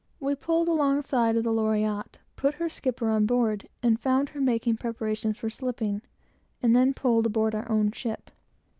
We pulled alongside of the Loriotte, put her skipper on board, and found her making preparations for slipping, and then pulled aboard our own ship.